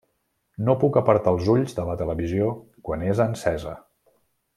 No puc apartar els ulls de la televisió quan és encesa.